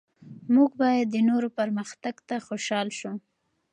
موږ باید د نورو پرمختګ ته خوشحال شو.